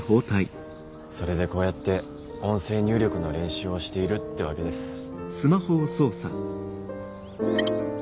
それでこうやって音声入力の練習をしているってわけです。